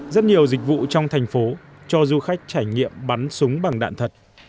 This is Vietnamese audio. rất nhiều dịch vụ trong thành phố cho du khách trải nghiệm bắn súng bằng đạn thật